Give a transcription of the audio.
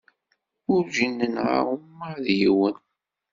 Werǧin nenɣa uma d yiwen.